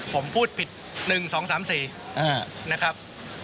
ผมพูดผิด๑๒๓๔นะครับ